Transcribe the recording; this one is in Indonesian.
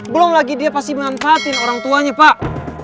belum lagi dia pasti mengantatin orangtuanya pak